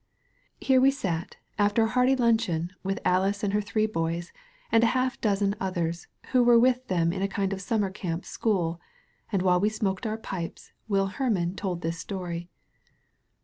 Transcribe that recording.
Here we sat, after a hearty luncheon with Alice and her three boys and half a dozen others who were with them in a kind of summer camp school; and while we smoked our pipes. Will Hermann told this story.